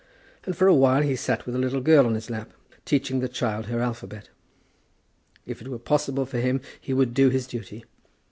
And for a while he sat with a little girl in his lap teaching the child her alphabet. If it were possible for him he would do his duty.